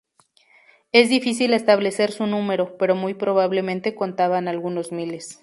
Es difícil establecer su número, pero muy probablemente contaban algunos miles.